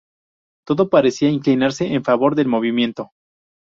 Todo parecía inclinarse en favor del Movimiento.